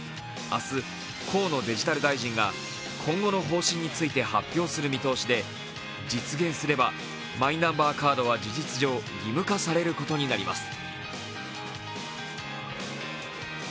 明日、河野デジタル大臣が今後の方針について発表する見通しで実現すれば、マイナンバーカードは事実上、義務化されることになります。